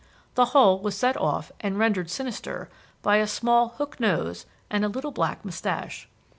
The whole was set off and rendered sinister by a small hook nose and a little black moustache.